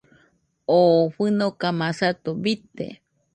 Oo fɨnoka masato bite.